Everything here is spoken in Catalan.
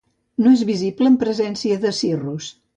No és visible en presència de cirrus.